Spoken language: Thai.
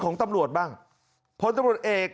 ของตำรวจบ้างพลตำรวจเอก